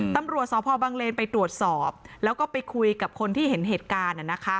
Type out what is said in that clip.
ตำรวจสพบังเลนไปตรวจสอบแล้วก็ไปคุยกับคนที่เห็นเหตุการณ์